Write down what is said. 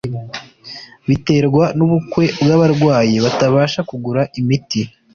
biterwa n'ubuke bw'abarwayi batabasha kugura imiti